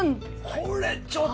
これちょっと！